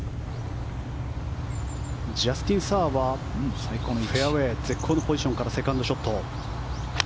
ジャスティン・サーはフェアウェー絶好のポジションからセカンドショット。